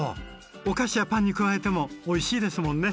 お菓子やパンに加えてもおいしいですもんね。